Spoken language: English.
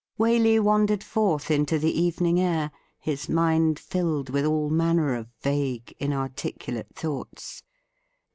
Waley wandered forth into the evening air, his mind filled with all manner of vague, inarticulate thoughts.